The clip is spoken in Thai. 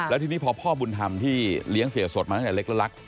แล้วทีนี้พอพ่อบุญธรรมที่เลี้ยงเสียสดมาตั้งแต่เล็กแล้วรัก